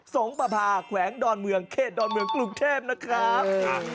สงประพาแขวงดอนเมืองเขตดอนเมืองกรุงเทพนะครับ